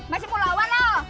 masih mau lawan loh